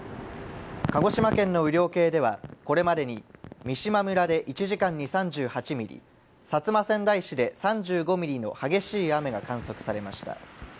鹿児島県の雨量計では、これまでに三島村で１時間に３８ミリ薩摩川内市で３５ミリの激しい雨が観測されました。